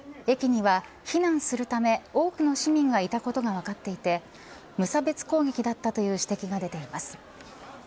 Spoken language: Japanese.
駅には、避難するため多くの市民がいたことが分かっていて無差別攻撃だったとの指摘が出ています。